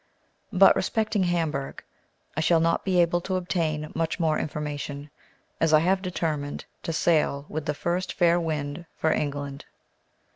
But, respecting Hamburg, I shall not be able to obtain much more information, as I have determined to sail with the first fair wind for England.